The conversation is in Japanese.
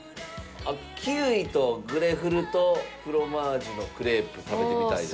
キウイとグレフルとフロマージュのクレープ食べてみたいです。